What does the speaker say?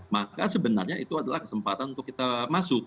maka sebenarnya itu adalah kesempatan untuk kita masuk